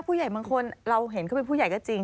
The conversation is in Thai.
ผู้ใหญ่บางคนเราเห็นเขาเป็นผู้ใหญ่ก็จริง